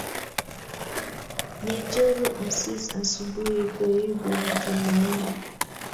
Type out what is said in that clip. nyechoru asis asubui koibuu mtumaini